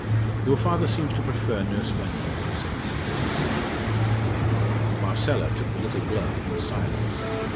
"Your father seems to prefer Nurse Wenlock," said Mrs. Boyce. Marcella took the little blow in silence.